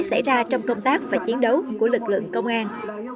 xảy ra trong công tác và chiến đấu của lực lượng công an